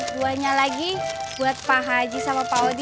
duanya lagi buat pak haji sama pak odi